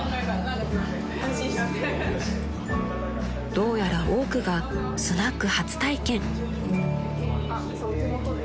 ［どうやら多くがスナック初体験］